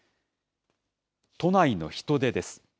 都内の人出です。